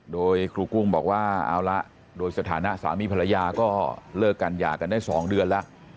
โดยครูกุ้งบอกว่าเอาละโดยสถานะสามีภรรยาก็เลิกกันหย่ากันได้๒เดือนแล้ว